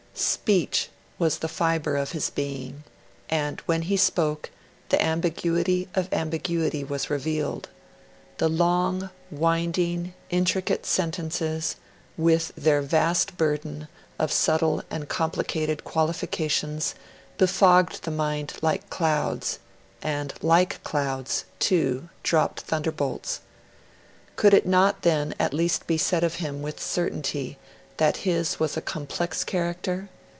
Speech was the fibre of his being; and, when he spoke, the ambiguity of ambiguity was revealed. The long, winding, intricate sentences, with their vast burden of subtle and complicated qualifications, befogged the mind like clouds, and like clouds, too, dropped thunder bolts. Could it not then at least be said of him with certainty that his was a complex character?